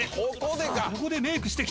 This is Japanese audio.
さあここでメークしてきた］